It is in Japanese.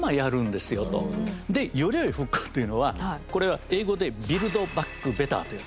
でよりよい復興というのはこれは英語でビルド・バック・ベターと。